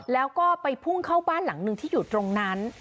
แล้วก็ไปพุ่งเข้าบ้านหลังหนึ่งที่อยู่ตรงนั้น